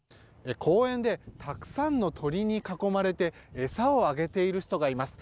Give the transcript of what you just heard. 公園でたくさんの鳥に囲まれて餌をあげている人がいます。